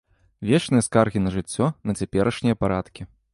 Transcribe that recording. Вечныя скаргі на жыццё, на цяперашнія парадкі.